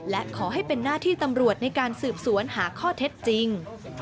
และขอให้เป็นหน้าที่ตำรวจในการสืบสวนหาข้อเท็จจริง